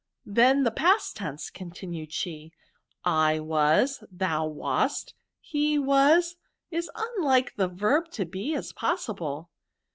Then the past tense,'* continued she, '^ I was, thou Wast, he was, is as unlike the verb to be as possible.